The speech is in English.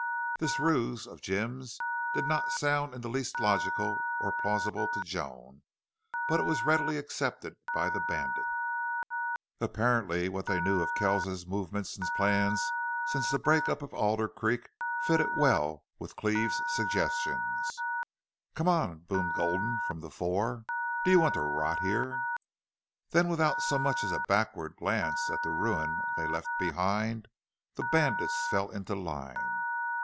This ruse of Jim's did not sound in the least logical or plausible to Joan, but it was readily accepted by the bandits. Apparently what they knew of Kells's movements and plans since the break up at Alder Creek fitted well with Cleve's suggestions. "Come on!" boomed Gulden, from the fore. "Do you want to rot here?" Then without so much as a backward glance at the ruin they left behind the bandits fell into line.